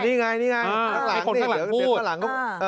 นี่ไงนี่ไงข้างหลัง